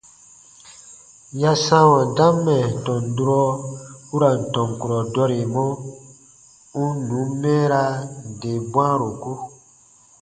Ya sãawa dam mɛ̀ tɔn durɔ u ra n tɔn kurɔ dɔremɔ, u n nùn mɛɛraa nde bwãaroku.